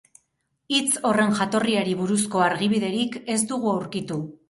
Hitz horren jatorriari buruzko argibiderik ez dugu aurkitu.